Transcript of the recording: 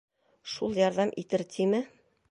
Шул ярҙам итер тиме?